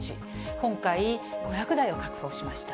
今回、５００台を確保しました。